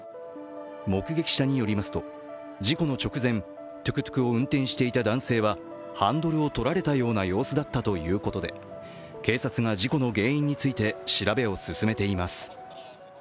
目撃者によりますと事故の直前、トゥクトゥクの運転をしていた男性はハンドルを取られたような様子だったということで、警察が事故の原因について調べを進めています。